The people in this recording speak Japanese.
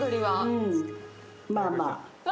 うん、まあまあ。